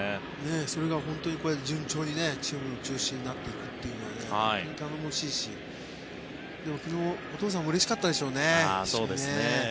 それが本当にこうやって順調にチームの中心になっていくというのは本当に頼もしいしでも、昨日お父さんもうれしかったでしょうね。